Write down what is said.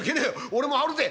俺も張るぜ。